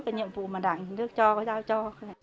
cái nhiệm vụ mà đảng nước cho giao cho